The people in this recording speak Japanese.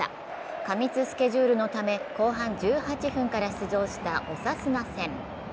過密スケジュールのため後半１８分から出場したオサスナ戦。